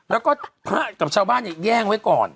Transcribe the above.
แล้วก็พระกับชาวบ้านเนี่ยแย่งไว้ก่อน